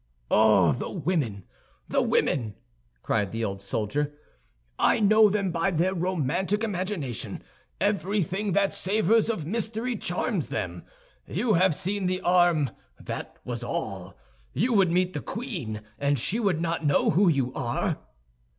"Oh, the women, the women!" cried the old soldier. "I know them by their romantic imagination. Everything that savors of mystery charms them. So you have seen the arm, that was all. You would meet the queen, and she would not know who you are?"